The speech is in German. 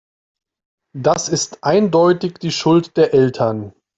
Das ist eindeutig die Schuld der Eltern.